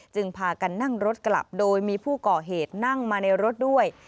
พากันนั่งรถกลับโดยมีผู้ก่อเหตุนั่งมาในรถด้วย